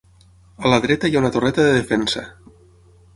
A la dreta hi ha una torreta de defensa.